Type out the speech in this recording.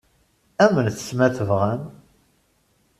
Amnet-tt, ma tebɣam.